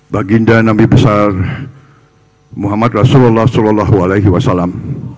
baginda nabi besar muhammad rasulullah saw